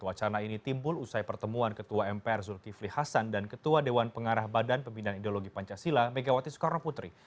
wacana ini timbul usai pertemuan ketua mpr zulkifli hasan dan ketua dewan pengarah badan pembinaan ideologi pancasila megawati soekarno putri